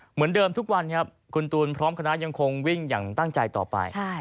เหมือนเดิมทุกวันครับคุณตูนพร้อมคณะยังคงวิ่งอย่างตั้งใจต่อไป